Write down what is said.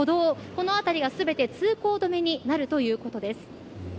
この辺りが全て通行止めになるということです。